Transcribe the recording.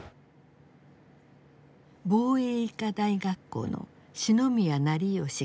防衛医科大学校の四ノ宮成学校長。